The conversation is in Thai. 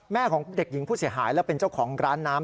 ของเด็กหญิงผู้เสียหายและเป็นเจ้าของร้านน้ำ